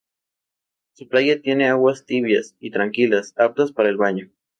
Su playa tiene aguas tibias y tranquilas, aptas para el baño.